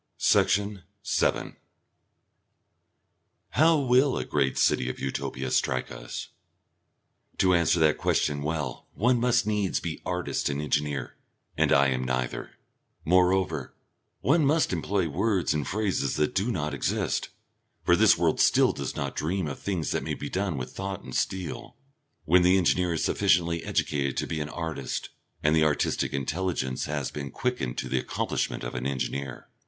Section 7 How will a great city of Utopia strike us? To answer that question well one must needs be artist and engineer, and I am neither. Moreover, one must employ words and phrases that do not exist, for this world still does not dream of the things that may be done with thought and steel, when the engineer is sufficiently educated to be an artist, and the artistic intelligence has been quickened to the accomplishment of an engineer.